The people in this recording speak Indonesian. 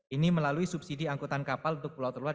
ini melalui subsidi angkutan kapal untuk pulau terluar